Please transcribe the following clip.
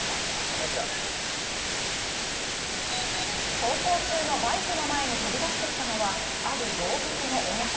走行中のバイクの前に飛び出してきたのは、ある動物の親子。